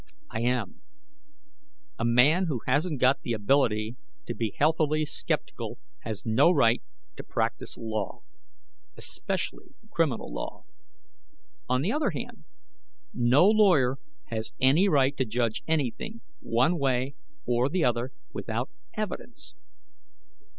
"I am. A man who hasn't got the ability to be healthily skeptical has no right to practice law especially criminal law. On the other hand, no lawyer has any right to judge anything one way or the other without evidence.